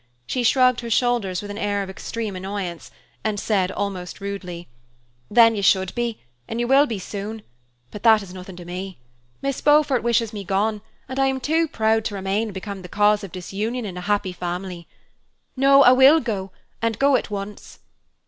She shrugged her shoulders with an air of extreme annoyance, and said almost rudely, "Then you should be; you will be soon. But that is nothing to me. Miss Beaufort wishes me gone, and I am too proud to remain and become the cause of disunion in a happy family. No, I will go, and go at once."